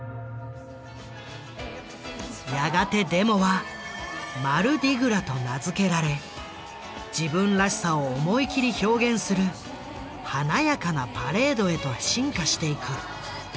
やがてデモは「マルディグラ」と名付けられ自分らしさを思い切り表現する華やかなパレードへと進化していく。